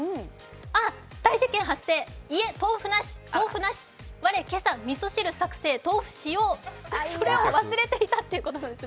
あっ、大事件発生、家、豆腐なし、豆腐なし、我今朝味噌汁作成、豆腐使用、それを忘れていたってことです。